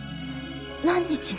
何日も？